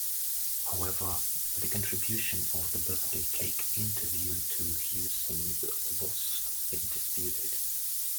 However, the contribution of the birthday cake interview to Hewson's loss is disputed.